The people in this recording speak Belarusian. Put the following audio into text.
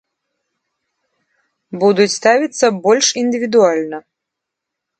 Будуць ставіцца больш індывідуальна.